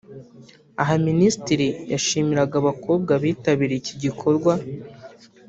Aha minisitiri yashimiraga abakobwa bitabiriye iki gikorwa